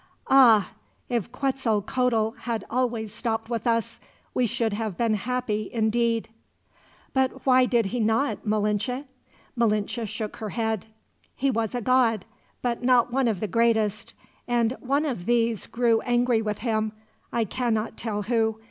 Ah! If Quetzalcoatl had always stopped with us, we should have been happy, indeed!" "But why did he not, Malinche?" Malinche shook her head. "He was a god, but not one of the greatest, and one of these grew angry with him I cannot tell who.